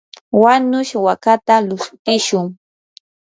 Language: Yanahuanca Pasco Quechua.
wanush wakata lushtishun.